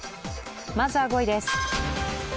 まずは５位です。